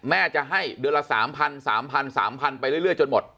แม่จะให้เดือนละสามพันสามพันสามพันไปเรื่อยเรื่อยจนหมด